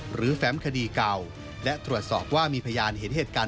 หรือแฟ้มคดีเก่าและตรวจสอบว่ามีพยานเหตุการณ์